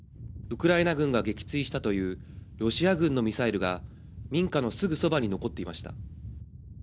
ウクライナ軍が撃墜したというロシア軍のミサイルが民家のすぐそばに残っていました。